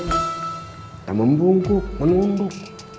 kita membungkuk menunduk